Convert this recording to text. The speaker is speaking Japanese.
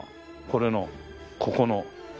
これのここの。